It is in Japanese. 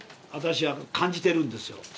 私は感じてるんですよ